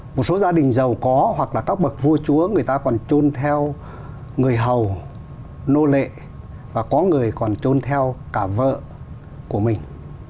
một số gia đình giàu có hoặc là các bậc vua chúa người ta còn trôn theo người hầu nô lệ và có người còn trôn theo cả vợ của mình